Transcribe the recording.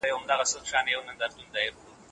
ایا ته د خپل کلتور په ارزښت پوهېږې؟